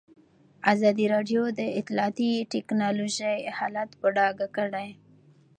ازادي راډیو د اطلاعاتی تکنالوژي حالت په ډاګه کړی.